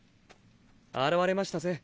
現れましたぜ。